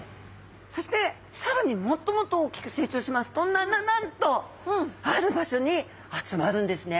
そして更にもっともっと大きく成長しますとなななんとある場所に集まるんですね。